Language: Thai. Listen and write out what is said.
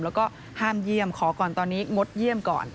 แล้วก็ห้ามเยี่ยมขอก่อนตอนนี้งดเยี่ยมก่อน